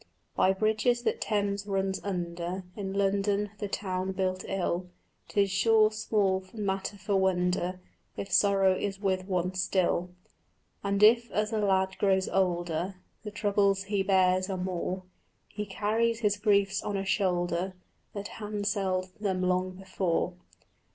By bridges that Thames runs under, In London, the town built ill, 'Tis sure small matter for wonder If sorrow is with one still. And if as a lad grows older The troubles he bears are more, He carries his griefs on a shoulder That handselled them long before.